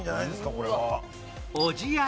これは。